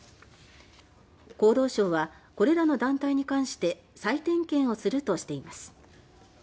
厚労省はこれらの団体に関して再点検をするとしています。